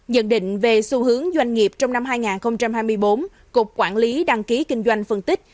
nhận định về xu hướng doanh nghiệp trong năm hai nghìn hai mươi bốn cục quản lý đăng ký kinh doanh phân tích